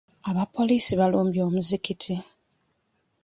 Abapoliisi balumbye omuzikiti.